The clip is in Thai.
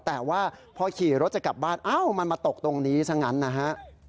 แต่ว่าพอขี่รถจะกลับบ้านอ้าวมันมาตกตรงนี้ซะงั้นนะฮะ